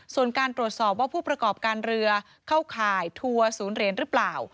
ส่วนการตรวจสอบว่าผู้ประกอบการเรือเข้าข่ายทัวร์ศูนย์เหรียญหรือเปล่า